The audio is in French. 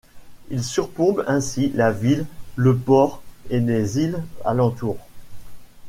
Il surplombe ainsi la ville, le port et les îles alentour.